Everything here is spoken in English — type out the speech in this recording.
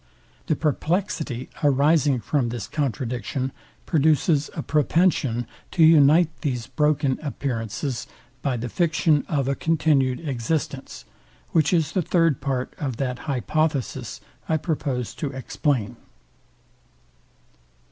The perplexity arising from this contradiction produces a propension to unite these broken appearances by the fiction of a continued existence, which is the third part of that hypothesis I proposed to explain.